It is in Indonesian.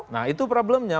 nah itu problemnya